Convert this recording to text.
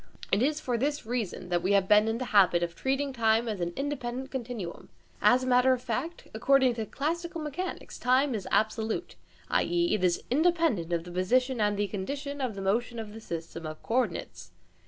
It is for this reason that we have been in the habit of treating time as an independent continuum. As a matter of fact, according to classical mechanics, time is absolute, i.e. it is independent of the position and the condition of motion of the system of co ordinates.